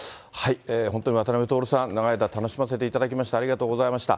本当に渡辺徹さん、長い間、楽しませていただきまして、ありがとうございました。